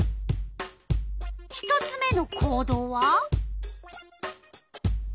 １つ目の行動は？